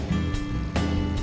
nggak ada uang nggak ada uang